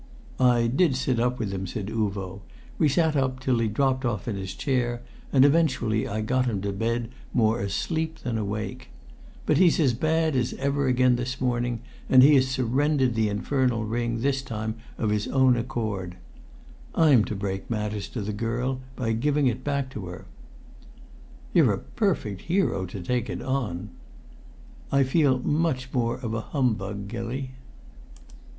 "I did sit up with him," said Uvo. "We sat up till he dropped off in his chair, and eventually I got him to bed more asleep than awake. But he's as bad as ever again this morning, and he has surrendered the infernal ring this time of his own accord. I'm to break matters to the girl by giving it back to her." "You're a perfect hero to take it on!" "I feel much more of a humbug, Gilly."